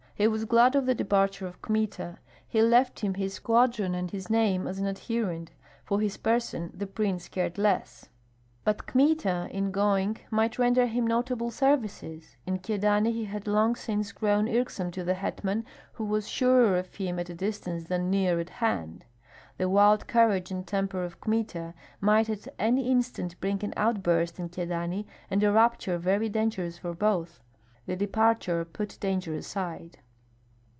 He was glad of the departure of Kmita. He left him his squadron and his name as an adherent; for his person the prince cared less. But Kmita in going might render him notable services; in Kyedani he had long since grown irksome to the hetman, who was surer of him at a distance than near at hand. The wild courage and temper of Kmita might at any instant bring an outburst in Kyedani and a rupture very dangerous for both. The departure put danger aside.